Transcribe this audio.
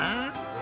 え？